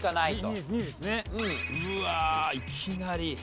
いきなり。